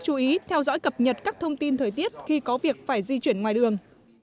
chú ý theo dõi cập nhật các thông tin thời tiết khi có việc phải di chuyển ngoài đường